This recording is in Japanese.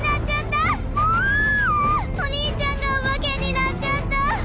お兄ちゃんがオバケになっちゃった。